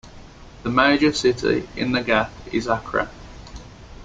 The major city in the Gap is Accra.